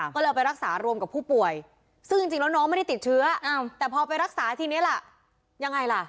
ก็เลยเอาไปรักษารวมกับผู้ป่วยซึ่งจริงแล้วน้องไม่ได้ติดเชื้อแต่พอไปรักษาทีนี้ล่ะยังไงล่ะ